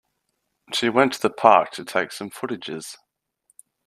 She went to a park to take some footages.